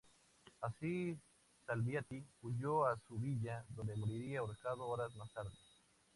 Así, Salviati huyó a su villa, donde moriría ahorcado horas más tarde.